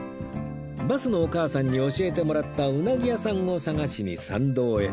バスのお母さんに教えてもらったうなぎ屋さんを探しに参道へ